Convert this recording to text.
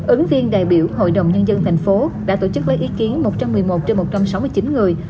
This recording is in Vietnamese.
ứng viên đại biểu hội đồng nhân dân thành phố đã tổ chức lấy ý kiến một trăm một mươi một trên một trăm sáu mươi chín người